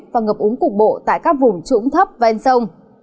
và ngập úng cục bộ tại các vùng trũng thấp và en sông